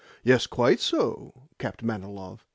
"Yes, quite so," capped Manilov.